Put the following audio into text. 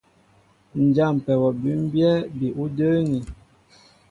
Ǹ jâmpɛ wɔ bʉ́mbyɛ́ bi ú də́ə́ŋí.